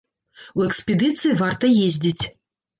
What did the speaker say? У экспедыцыі варта ездзіць!